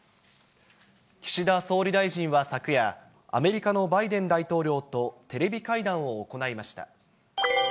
岸田総理大臣は昨夜、アメリカのバイデン大統領と、テレビ会談を行いました。